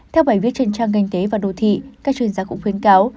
theo bài viết trên trang ngành tế và đô thị các chuyên gia cũng khuyên cáo